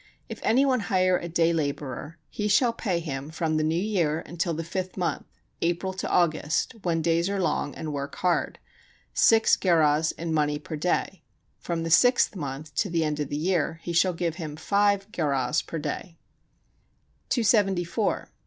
If any one hire a day laborer, he shall pay him from the New Year until the fifth month [April to August, when days are long and work hard] six gerahs in money per day; from the sixth month to the end of the year he shall give him five gerahs per day.